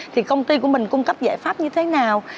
thì công ty của mình cung cấp giải pháp như thế nào